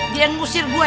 dia yang ngusir gue